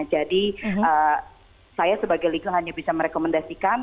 jadi saya sebagai legal hanya bisa merekomendasikan